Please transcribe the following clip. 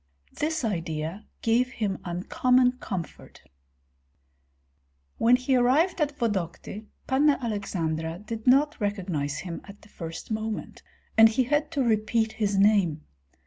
This idea gave him uncommon comfort. When he arrived at Vodokty, Panna Aleksandra did not recognize him at the first moment, and he had to repeat his name.